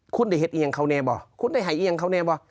คุณได้เห็ดเอียงเขาเนี่ยบ่ะคุณได้หายเอียงเขาเนี่ยบ่ะ